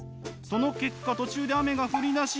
その結果途中で雨が降りだし。